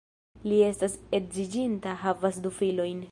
Li estas edziĝinta, havas du filojn.